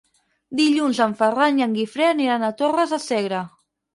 Dilluns en Ferran i en Guifré aniran a Torres de Segre.